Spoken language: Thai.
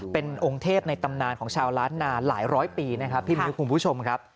เป็นองค์เทพในตำนานของชาวล้านนาหลายร้อยปีนะครับพี่มิ้วคุณผู้ชมครับ